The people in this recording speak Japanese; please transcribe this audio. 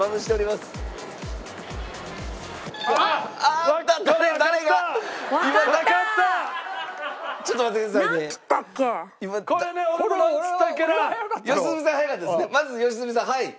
まず良純さんはい。